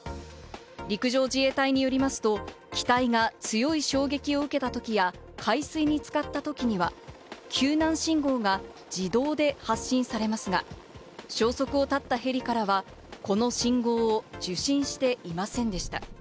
陸上自衛隊によりますと、機体が強い衝撃を受けた時や、海水に浸かった時には、救難信号が自動で発信されますが、消息を絶ったヘリからはこの信号を受信していませんでした。